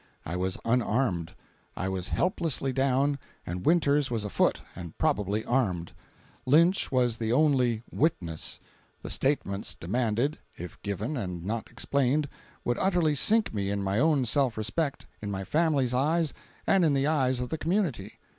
I was unarmed. I was helplessly down, and Winters was afoot and probably armed. Lynch was the only "witness." The statements demanded, if given and not explained, would utterly sink me in my own self respect, in my family's eyes, and in the eyes of the community.